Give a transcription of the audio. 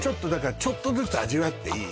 ちょっとずつ味わっていい？